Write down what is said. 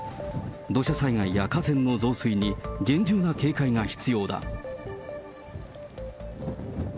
土砂災害や河川の増水に厳重な警戒が必要だ。